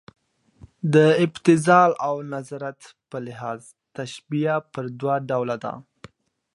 د ابتذال او ندرت په لحاظ تشبیه پر دوه ډوله ده.